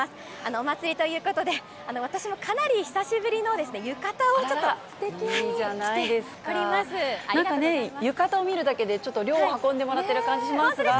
お祭りということで、私もかなり久しぶりの浴衣を、なんかね、浴衣を見るだけで、ちょっと涼を運んでもらっている感じがしますが。